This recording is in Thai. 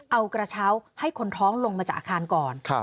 เอากระเช้าให้คนท้องลงมาจากอาคารก่อน